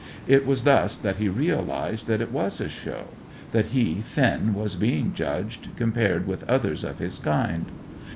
It was thus that he realized that it was a show; that he, Finn, was being judged, compared with others of his kind.